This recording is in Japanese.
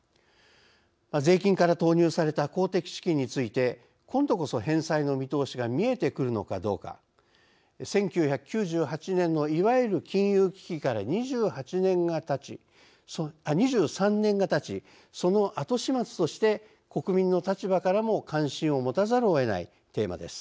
税金から投入された公的資金について今度こそ返済の見通しが見えてくるのかどうか１９９８年のいわゆる「金融危機」から２３年がたちその後始末として国民の立場からも関心を持たざるをえないテーマです。